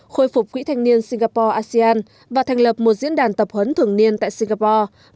khôi phục quỹ thanh niên singapore asean và thành lập một diễn đàn tập huấn thường niên tại singapore